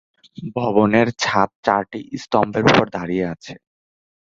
ভবনের ছাদ চারটি স্তম্ভের উপর দাঁড়িয়ে আছে।